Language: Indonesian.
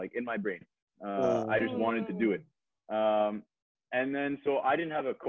itu hanya keputusan seperti di otak saya